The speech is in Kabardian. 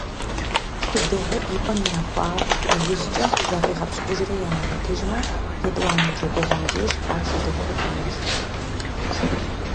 Шыдыгъур и пӀэм ирахуа и ужькӀэ зафӀигъэпщкӀужрэ ямыгъуэтыжмэ, етӀуанэ джэгугъуэм деж ар шыдыгъуу къытонэж.